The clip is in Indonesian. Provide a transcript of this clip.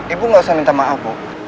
ibu nggak usah minta maaf bu